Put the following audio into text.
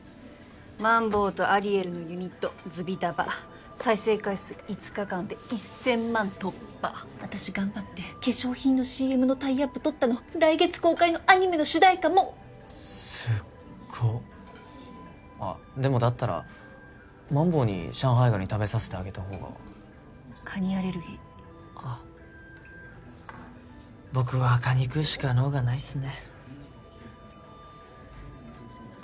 マンボウとアリエルのユニットＺＵＢＩＤＡＶＡ再生回数５日間で１０００万突破私頑張って化粧品のＣＭのタイアップ取ったの来月公開のアニメの主題歌もすっごあっでもだったらマンボウに上海ガニ食べさせてあげた方がカニアレルギーあっ僕はカニ食うしか能がないっすね